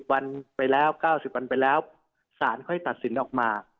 วันไปแล้ว๙๐วันไปแล้วสารค่อยตัดสินออกมา